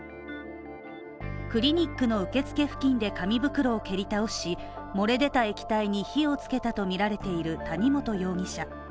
クリニックの受付付近で紙袋を蹴り倒し、漏れ出た液体に火をつけたとみられている谷本容疑者。